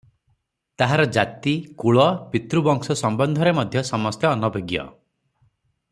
ତାହାର ଜାତି, କୁଳ, ପିତୃ ବଂଶ ସମ୍ବନ୍ଧରେ ମଧ୍ୟ ସମସ୍ତେ ଅନଭିଜ୍ଞ ।